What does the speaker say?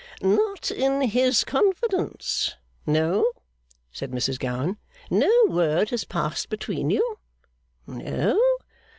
'Not in his confidence? No,' said Mrs Gowan. 'No word has passed between you? No.